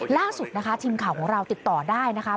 ล่าสุดนะคะทีมข่าวของเราติดต่อได้นะคะ